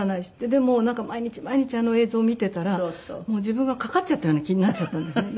でもなんか毎日毎日あの映像を見ていたら自分がかかっちゃったような気になっちゃったんですね。